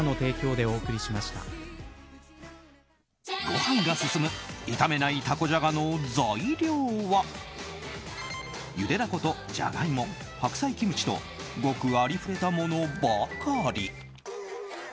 ご飯が進む炒めないたこじゃがの材料はゆでダコとジャガイモ白菜キムチとごくありふれたものばかり。